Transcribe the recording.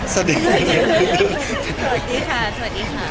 สวัสดีครับ